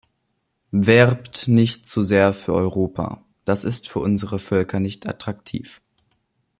Werbt nicht zu sehr für Europa, das ist für unsere Völker nicht attraktiv.